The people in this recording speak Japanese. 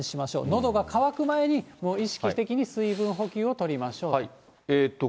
のどが渇く前に、もう意識的に水分補給をとりましょうと。